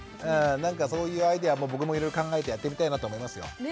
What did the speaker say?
なんかそういうアイデアも僕もいろいろ考えてやってみたいなと思いますよ。